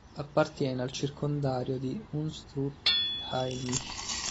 Appartiene al circondario di Unstrut-Hainich.